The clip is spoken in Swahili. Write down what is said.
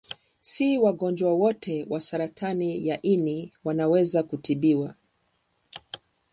Si wagonjwa wote wa saratani ya ini wanaweza kutibiwa.